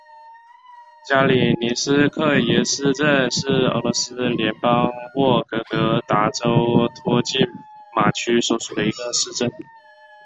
加里宁斯科耶市镇是俄罗斯联邦沃洛格达州托季马区所属的一个市镇。